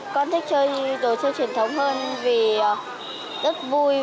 con thích chơi đồ chơi truyền thống hơn vì rất vui